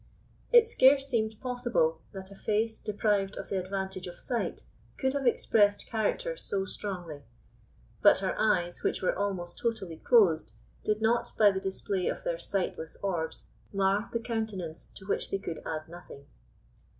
It scarce seemed possible that a face, deprived of the advantage of sight, could have expressed character so strongly; but her eyes, which were almost totally closed, did not, by the display of their sightless orbs, mar the countenance to which they could add nothing.